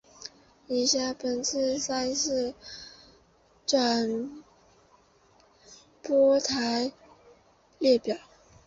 以下为本次赛事转播台列表。